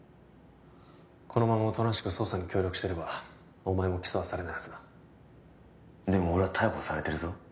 このままおとなしく捜査に協力してればお前も起訴はされないはずだでも俺は逮捕されてるぞ？